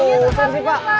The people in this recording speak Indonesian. iya setengah minggu lah